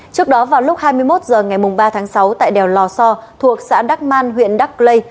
trước đó vào lúc hai mươi một h ngày ba tháng sáu tại đèo lò so thuộc xã đắc man huyện đắc lây